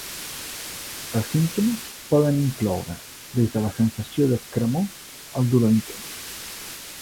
Els símptomes poden incloure des de sensació de cremor al dolor intens.